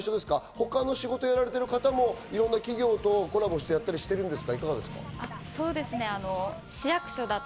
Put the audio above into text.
他の仕事をやられている方も、いろんな企業とコラボしてやってるんですか？